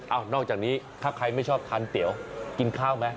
นอกจากนี้ถ้าใครไม่ชอบทานเตี๋ยวกินข้าวไหม